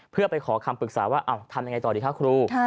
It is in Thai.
เพื่อไปขอคำปรึกษาว่าทำยังไงต่อดีคะครู